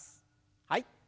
はい。